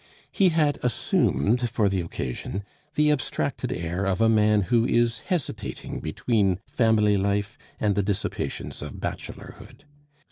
He had assumed for the occasion the abstracted air of a man who is hesitating between family life and the dissipations of bachelorhood.